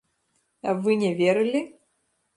А вы не верылі?